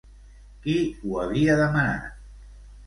Qui ho havia demanat?